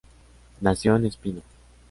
Nació en Espinho.